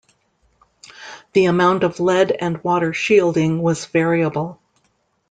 The amount of lead and water shielding was variable.